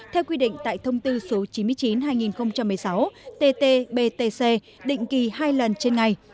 theo quy định tại thông tư số chín mươi chín hai nghìn một mươi sáu tt btc định kỳ hai lần trên ngày